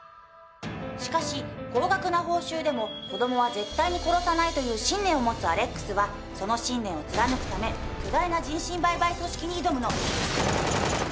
しかし高額な報酬でも子どもは絶対に殺さないという信念を持つアレックスはその信念を貫くため巨大な人身売買組織に挑むの。